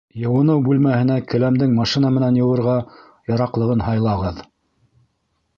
Йыуыныу бүлмәһенә келәмдең машина менән йыуырға яраҡлыһын һайлағыҙ.